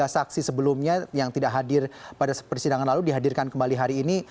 tiga saksi sebelumnya yang tidak hadir pada persidangan lalu dihadirkan kembali hari ini